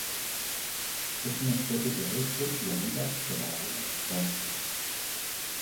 Es una especie terrestre y habita en la arena en zonas áridas.